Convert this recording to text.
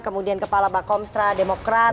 kemudian kepala pak komstra demokrat